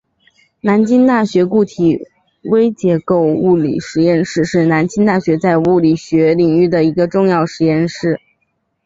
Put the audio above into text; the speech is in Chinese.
南京大学固体微结构物理实验室是南京大学在物理学领域的一个重要实验室。